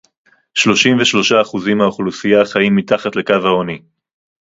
שלושים ושלושה אחוזים מהאוכלוסייה חיים מתחת לקו העוני